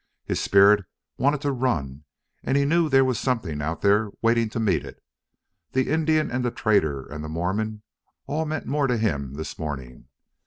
His spirit wanted to run, and he knew there was something out there waiting to meet it. The Indian and the trader and the Mormon all meant more to him this morning.